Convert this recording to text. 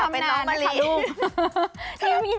กลับไปน้องมะรี่นี่ทำนานนะคะลูบ